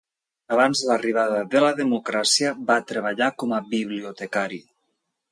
Abans de l'arribada de la democràcia, va treballar com a bibliotecari.